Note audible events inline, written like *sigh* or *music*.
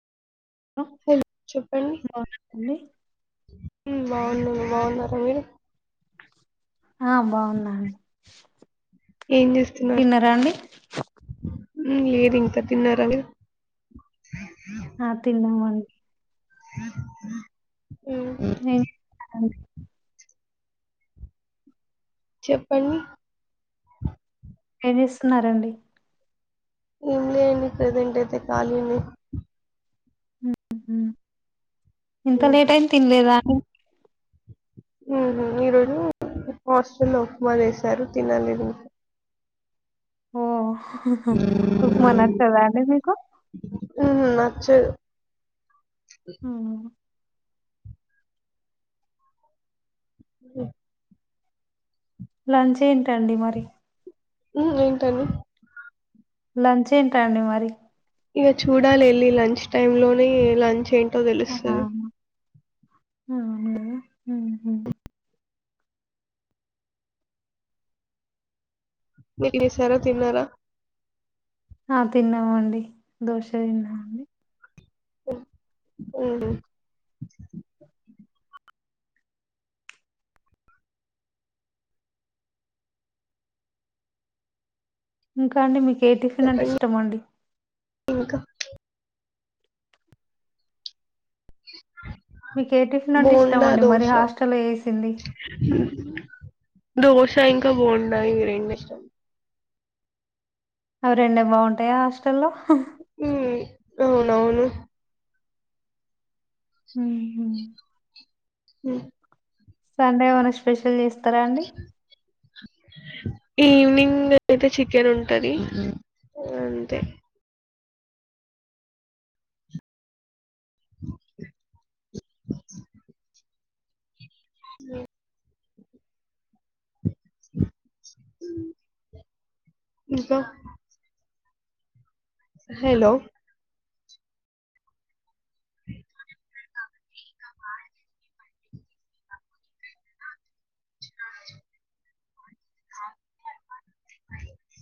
hello బాగున్నారండి బాగున్న బాగున్నారా ఆ బాగున్నాను ఏం జెస్తున్నారు తిన్నారా అండి లేదు ఇంకా తిన్నారా ఆ తిన్నామండి హ్మ్ ఏ చెప్పండి ఏం జెస్తున్నారండి మేము లేను కదండీ *unintelligible* ఇంక ఉమ్ లేట్ అయింది తినలేదా ఇ రోజు హాస్టల్ లో ఉప్మా చేసారు తినలేదు ఓ ఉప్మా నచ్చదా అండి మీకు హ్మ్ నచ్చదు హ్మ్ బ్లాంక్ లంచ్ ఏంటండి మరి హ్మ్ఏంటని లంచ్ ఏంటండి మరి ఇగ చూడాలి ఎళ్ళి లంచ్ టైమ్ లోని లంచ్ ఏం ఆ హ ఆ ఊహు భోం చేసారా తిన్నారా ఆ తిన్నామండి దోశ తిన్నాం ఒ ఆహా బ్లాంక్ ఇంకా అండి మీకు ఏ టిఫిన్ అంటే ఇష్టమండి ఇంక మీకు ఏ టిఫిన్ అంటే బోండా ఇష్టమండి మరి దోశ హాస్టల్లో చేసింది దోశ ఇంక బోండా ఇవి రెండిష్టం అవి రెండే బావుంటాయా హాస్టల్లో హ్మ్ అవునవును ఊహు అహ్ సండే ఏమనా స్పెషల్ చేస్తారా అండి ఈవినింగ్ అయితే చికెన్ ఉంటది అంతే బ్లాంక్ న మ్మ్ ఇంట్లో హలో *inaudible* ఆ *inaudible* అ *inaudible*